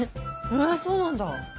えそうなんだ？